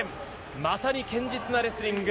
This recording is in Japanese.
まさに堅実なレスリング。